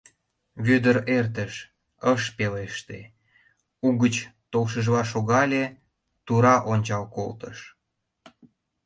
Вӧдыр эртыш, ыш пелеште, угыч толшыжла шогале, тура ончал колтыш.